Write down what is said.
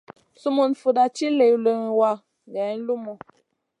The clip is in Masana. Sumun fuda ci luluna wa geyn lumu.